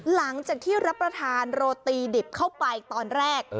หลังจากที่รับประทานโรตีดิบเข้าไปตอนแรก